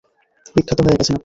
বিখ্যাত হয়ে গেছেন আপনি।